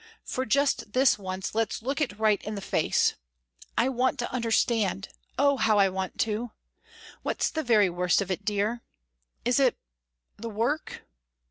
For just this once let's look it right in the face. I want to understand oh how I want to! What's the very worst of it, dear? Is it the work?"